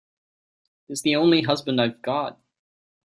He's the only husband I've got.